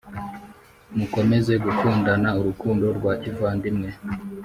Mukomeze gukundana urukundo rwa kivandimwe